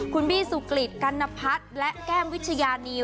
คุณบี้สุกฤทธิ์กัณภัทรและแก้มวิชญานี